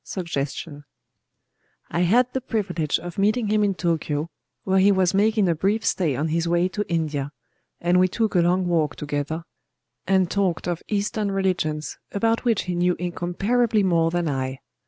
Suggestion I had the privilege of meeting him in Tōkyō, where he was making a brief stay on his way to India;—and we took a long walk together, and talked of Eastern religions, about which he knew incomparably more than I.